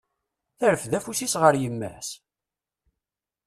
Terfed afus-s ɣer yemma-s!